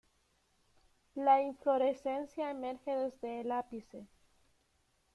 La inflorescencia emerge desde el ápice.